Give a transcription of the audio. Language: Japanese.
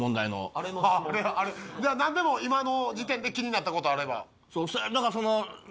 何でも今の時点で気になった事あれば。